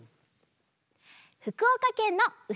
ふくおかけんのう